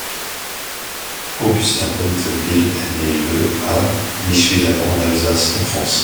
Augustin Dontenwill est né le à Bischwiller en Alsace en France.